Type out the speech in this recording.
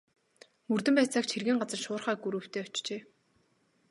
Мөрдөн байцаагч хэргийн газар шуурхай групптэй очжээ.